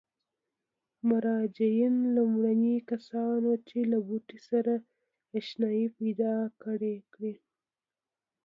مجاریان لومړني کسان وو چې له بوټي سره اشنايي پیدا کړې.